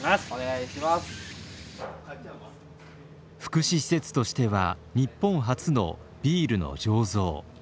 福祉施設としては日本初のビールの醸造。